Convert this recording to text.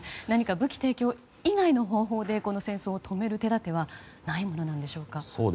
何か武器提供以外の方法でこの戦争を止める手立てはないものでしょうか。